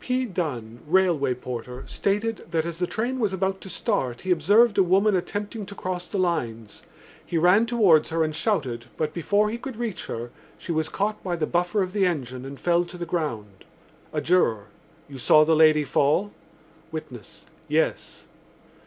P. Dunne, railway porter, stated that as the train was about to start he observed a woman attempting to cross the lines. He ran towards her and shouted, but, before he could reach her, she was caught by the buffer of the engine and fell to the ground. A juror. "You saw the lady fall?" Witness. "Yes."